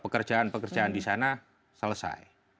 pekerjaan pekerjaan di sana selesai